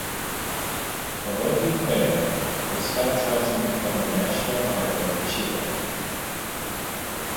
Although he failed, this fact helped him become a national idol in Chile.